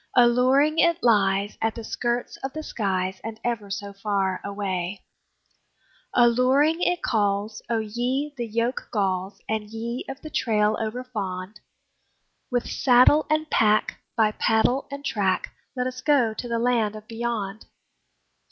Alluring it lies at the skirts of the skies, And ever so far away; Alluring it calls: O ye the yoke galls, And ye of the trail overfond, With saddle and pack, by paddle and track, Let's go to the Land of Beyond!